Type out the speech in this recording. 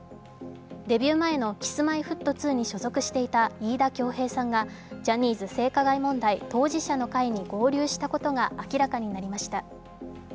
デビュー前のＫｉｓ−Ｍｙ−Ｆｔ２に所属していた飯田恭平さんがジャニーズ性加害問題当事者の会に合流したことが明らかになりました。